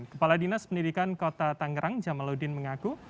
kepala dinas pendidikan kota tangerang jamaludin mengaku